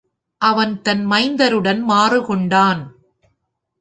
அவன் தன் மைந்தருடன் மாறுகொண்டான்.